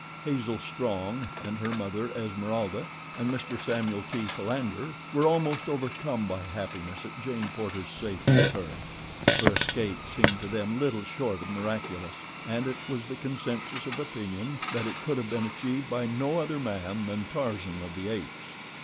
Hazel Strong and her mother, Esmeralda, and Mr. Samuel T. Philander were almost overcome by happiness at Jane Porter's safe return. Her escape seemed to them little short of miraculous, and it was the consensus of opinion that it could have been achieved by no other man than Tarzan of the Apes.